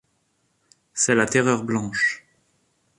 C'est la Terreur blanche.